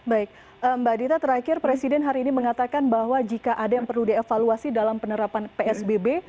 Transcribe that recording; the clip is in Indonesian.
baik mbak adita terakhir presiden hari ini mengatakan bahwa jika ada yang perlu dievaluasi dalam penerapan psbb